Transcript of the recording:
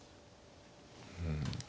うん。